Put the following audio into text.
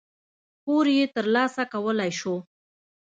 پور یې ترلاسه کولای شو.